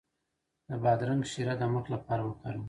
د بادرنګ شیره د مخ لپاره وکاروئ